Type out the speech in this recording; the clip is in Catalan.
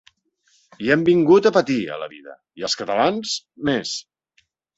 Hi hem vingut a patir, a la vida, i els catalans més!